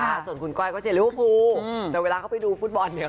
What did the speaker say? อะไรหรอพี่ตูน